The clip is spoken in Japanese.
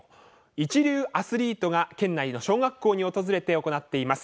一流のアスリートが県内の小学校に訪れて行っています